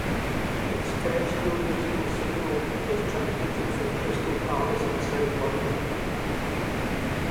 Its terrestrial digital signal is transmitted from Crystal Palace in South London.